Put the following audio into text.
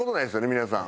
皆さん。